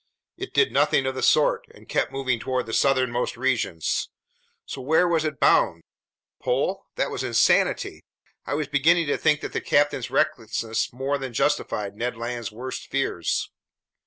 It did nothing of the sort and kept moving toward the southernmost regions. So where was it bound? The pole? That was insanity. I was beginning to think that the captain's recklessness more than justified Ned Land's worst fears.